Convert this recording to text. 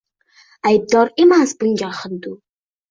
Aybdor emas bunga hindu